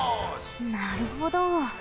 なるほど。